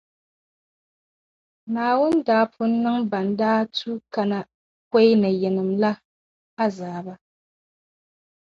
Naawuni daa pun niŋ ban daa tuui kana pɔi ni yinima la azaaba.